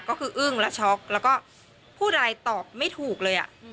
ก็คืออึ้งและช็อกแล้วก็พูดอะไรตอบไม่ถูกเลย